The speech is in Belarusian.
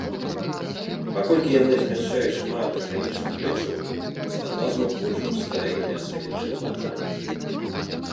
Паколькі яна змяшчае шмат арганічных рэчываў, цытаплазма больш густая і вязкая, чым вада.